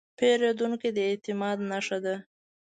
پیرودونکی د اعتماد نښه ده.